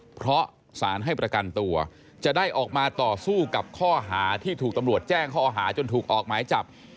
เพราะสารให้ประกันตัวจะได้ออกมาต่อสู้กับข้อหาที่ถูกตำรวจแจ้งข้อหาจนถูกออกหมายจับ